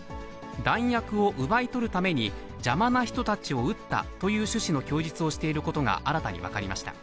弾薬を奪い取るために邪魔な人たちを撃ったという趣旨の供述をしていることが新たに分かりました。